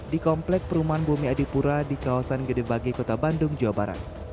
di komplek perumahan bumi adipura di kawasan gedebagi kota bandung jawa barat